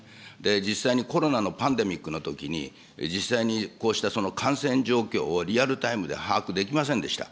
実際にコロナのパンデミックのときに、実際にこうした感染状況をリアルタイムで把握できませんでした。